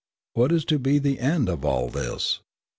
What is to be the end of all this?